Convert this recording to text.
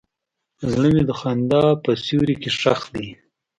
زړه مې د خندا په سیوري کې ښخ دی.